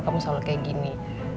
kamu selalu kayak gini